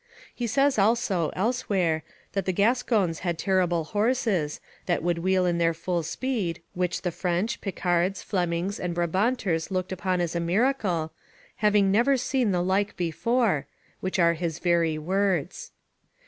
He says also, elsewhere, that the Gascons had terrible horses, that would wheel in their full speed, which the French, Picards, Flemings, and Brabanters looked upon as a miracle, "having never seen the like before," which are his very words.